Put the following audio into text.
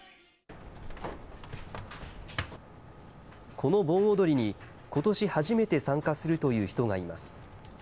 この盆踊りに、ことし初めて参加するという人がいます。